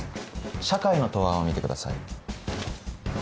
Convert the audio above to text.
社会の答案を見てください。